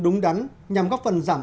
đúng đắn nhằm góp phần giảm